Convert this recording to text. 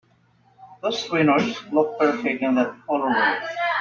Those trainers look perfect in that colorway!